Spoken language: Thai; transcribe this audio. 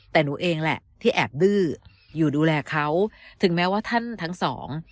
แต่หนูเองแหละที่แอบดื้ออยู่ดูแลเขาถึงแม้ว่าท่านทั้งสอง